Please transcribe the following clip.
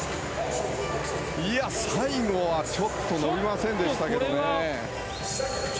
最後はちょっと伸びませんでしたけどね。